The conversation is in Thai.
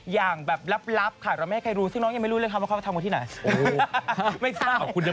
อย่างแบบลับค่ะไม่ให้ใครรู้ซึ่งน้องนี่ไม่รู้เลยว่าเขามาทำไปที่ไหน